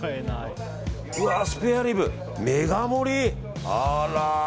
うわ、スペアリブ、メガ盛り！